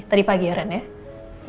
tadi pagi ya randy